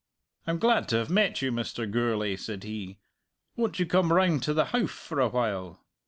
"I'm glad to have met you, Mr. Gourlay," said he. "Won't you come round to the Howff for a while?"